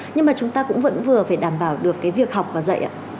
nhưng mà chúng ta cũng vẫn vừa phải đảm bảo được cái việc học và dạy ạ